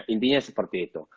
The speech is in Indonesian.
intinya seperti itu